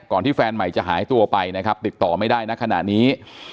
ที่แฟนใหม่จะหายตัวไปนะครับติดต่อไม่ได้ณขณะนี้